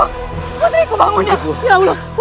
putriku bang munda